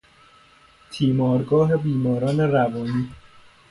تیمارگاه بیماران روانی